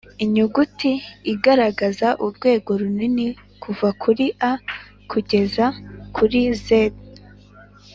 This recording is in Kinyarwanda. inyuguti igaragaza urwego runini kuva kuri A kugeza kuri Z